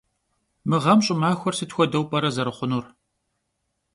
Mığem ş'ımaxuer sıt xuedeu p'ere zerıxhunur?